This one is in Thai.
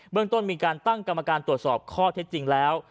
เรื่องต้นมีการตั้งกรรมการตรวจสอบข้อเท็จจริงแล้ว